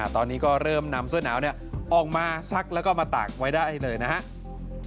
ตอนนี้ก็เริ่มนำเสื้อหนาวออกมาซักแล้วก็มาตากไว้ได้เลยนะครับ